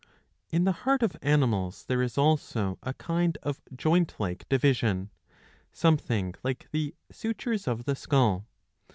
^^ In the heart of animals there is also a kind of joint like division, something like the sutures of the skull.